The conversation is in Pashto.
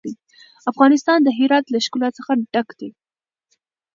افغانستان د هرات له ښکلا څخه ډک دی.